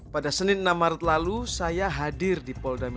pada senin enam maret lalu saya hadir di polda metro